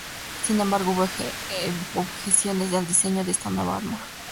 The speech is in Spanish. Sin embargo, hubo objeciones al diseño de esta nueva arma.